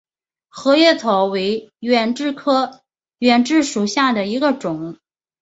合叶草为远志科远志属下的一个种。